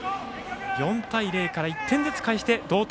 ４対０から１点ずつ返して同点。